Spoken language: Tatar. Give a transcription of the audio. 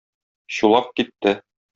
Чулак китте.